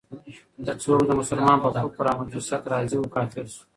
که څوک د مسلمان په کفر او مجوسيت راضي وو، کافر سو.